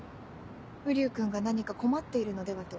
瓜生君が何か困っているのではと。